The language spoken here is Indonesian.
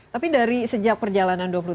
tapi dari sejak perjalanan